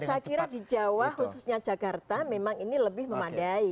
saya kira di jawa khususnya jakarta memang ini lebih memadai